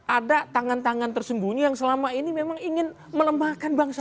ada tangan tangan tersembunyi yang selama ini memang ingin melemahkan bangsa